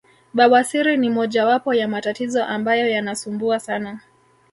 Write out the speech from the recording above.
Bawasiri ni mojawapo ya matatizo ambayo yanasumbua sana